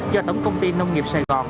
do tổng công ty nông nghiệp sài gòn